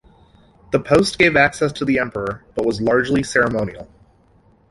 This post gave access to the emperor but was largely ceremonial.